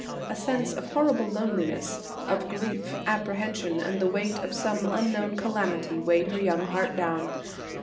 A sense of horrible loneliness, of grief, apprehension, and the weight of some unknown calamity weighed her young heart down.